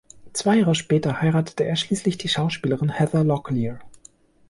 Zwei Jahre später heiratete er schließlich die Schauspielerin Heather Locklear.